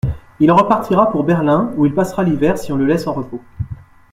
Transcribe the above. Il en repartira pour Berlin, où il passera l'hiver, si on le laisse en repos.